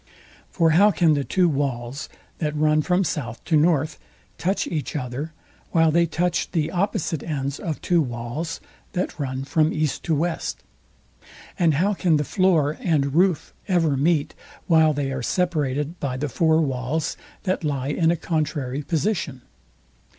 For how can the two walls, that run from south to north, touch each other, while they touch the opposite ends of two walls, that run from east to west? And how can the floor and roof ever meet, while they are separated by the four walls, that lie in a contrary position?